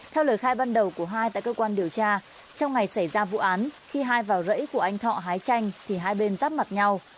theo lời khai ban đầu của hai tại cơ quan điều tra trong ngày xảy ra vụ án khi hai vào rẫy của anh thọ hái tranh thì hai bên giáp mặt nhau